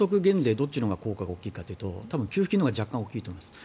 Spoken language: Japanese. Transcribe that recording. どっちのほうが効果が大きいかということなんですが多分、給付金のほうが若干大きいと思います。